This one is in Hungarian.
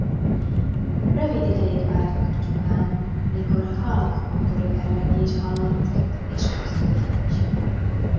Rövid ideig vártak csupán, mikor halk motorberregés hallatszott, és hosszú fütty.